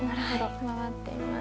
周っています。